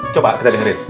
coba kita dengerin